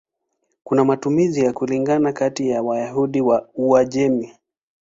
Kuna matumizi ya kulingana kati ya Wayahudi wa Uajemi.